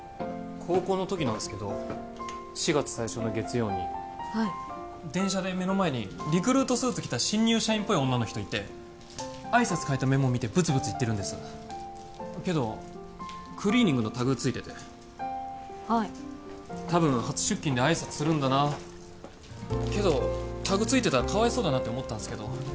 高校のときなんですけど４月最初の月曜にはい電車で目の前にリクルートスーツ着た新入社員っぽい女の人いて挨拶書いたメモを見てブツブツ言ってるんですけどクリーニングのタグついててはいたぶん初出勤で挨拶するんだなけどタグついてたらかわいそうだなって思ったんすけど